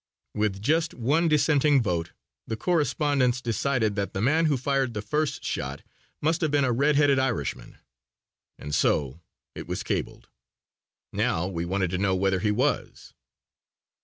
With just one dissenting vote the correspondents decided that the man who fired the first shot must have been a red headed Irishman. And so it was cabled. Now we wanted to know whether he was.